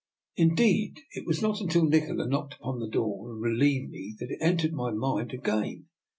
Indeed, it was not until Nikola knocked upon the door and reHeved me that it entered my mind again.